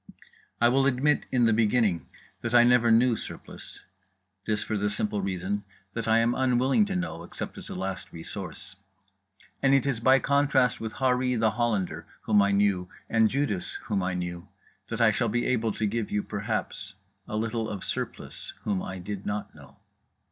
I will admit, in the beginning, that I never knew Surplice. This for the simple reason that I am unwilling to know except as a last resource. And it is by contrast with Harree The Hollander, whom I knew, and Judas, whom I knew, that I shall be able to give you (perhaps) a little of Surplice, whom I did not know.